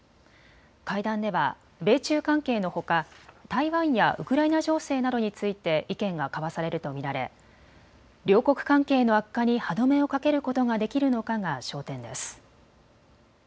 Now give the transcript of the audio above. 会談では米中関係のほか台湾やウクライナ情勢などについて意見が交わされると見られ両国関係の悪化に歯止めをかけることができるのかが焦点です。